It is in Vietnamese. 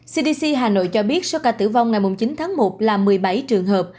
cdc hà nội cho biết số ca tử vong ngày chín tháng một là một mươi bảy trường hợp